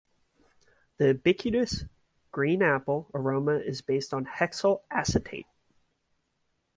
The ubiquitous "green apple" aroma is based on hexyl acetate.